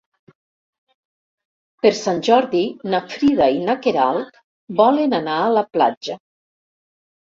Per Sant Jordi na Frida i na Queralt volen anar a la platja.